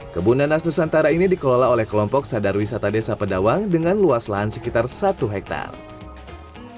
kebun nanas nusantara ini dikelola oleh kelompok sadar wisata desa pedawang dengan luas lahan sekitar satu hektare